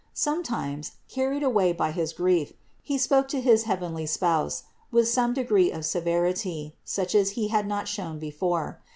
Sometimes, carried away by his grief, he spoke to his heavenly Spouse with some degree of severity, such as he had not shown before.